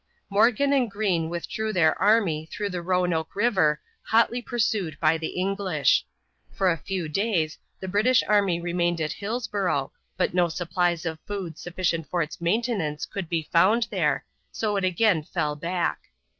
Morgan and Greene withdrew their army through the Roanoke River, hotly pursued by the English. For a few days the British army remained at Hillsborough, but no supplies of food sufficient for its maintenance could be found there, so it again fell back.